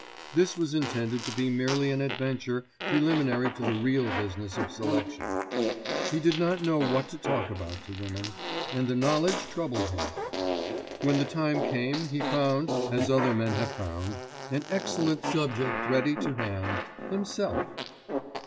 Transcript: This was intended to be merely an adventure preliminary to the real business of selection. He did not know what to talk about to women, and the knowledge troubled him. When the time came he found, as other men have found, an excellent subject ready to hand—himself.